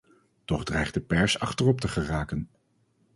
Toch dreigt de pers achterop te geraken.